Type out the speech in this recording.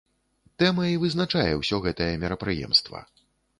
Тэма і вызначае ўсё гэтае мерапрыемства.